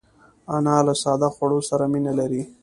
انا له ساده خوړو سره مینه لري